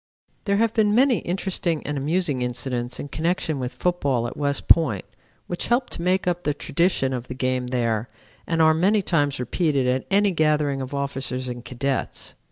"There have been many interesting and amusing incidents in connection with football at West Point which help to make up the tradition of the game there and are many times repeated at any gathering of officers and cadets.